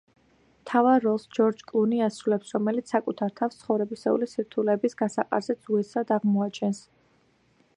მთავარ როლს – ჯორჯ კლუნი ასრულებს, რომელიც საკუთარ თავს ცხოვრებისული სირთულებიის გასაყარზე უეცრად აღმოაჩენს.